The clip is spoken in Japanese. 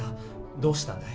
どうしたんだい？